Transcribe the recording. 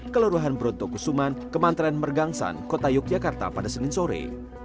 kelurahan bronto kusuman kementerian mergangsan kota yogyakarta pada senin sore